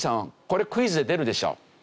これクイズで出るでしょ。